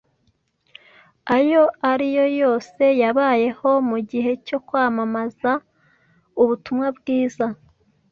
ayo ari yo yose yabayeho mu gihe cyo kwamamaza ubutumwa bwiza.